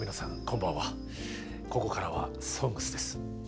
こんばんはここからは「ＳＯＮＧＳ」です。